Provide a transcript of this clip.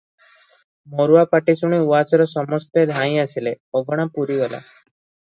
ମରୁଆ ପାଟି ଶୁଣି ଉଆସର ସମସ୍ତେ ଧାଇଁ ଆସିଲେ, ଅଗଣା ପୂରିଗଲା ।